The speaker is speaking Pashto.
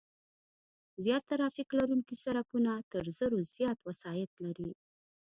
زیات ترافیک لرونکي سرکونه تر زرو زیات وسایط لري